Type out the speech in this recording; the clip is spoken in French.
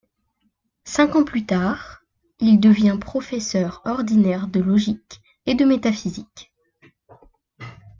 Cinq ans plus tard, il devient professeur ordinaire de logique et de métaphysique.